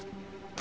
あ